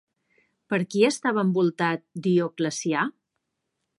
Per qui estava envoltat Dioclecià?